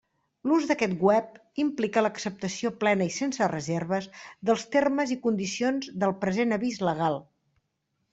L'ús d'aquest web implica l'acceptació plena i sense reserves dels termes i condicions del present avís legal.